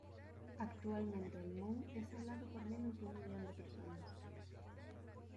Actualmente el mon es hablado por menos de un millón de personas.